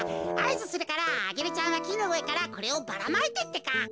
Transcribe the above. あいずするからアゲルちゃんはきのうえからこれをばらまいてってか。